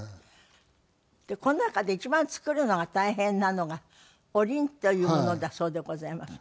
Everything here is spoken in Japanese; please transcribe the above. この中で一番作るのが大変なのがおりんというものだそうでございます。